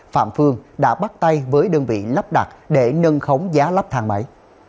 phạm phương đã bắt tay với đơn vị lắp đặt để nâng khống giá lắp thang máy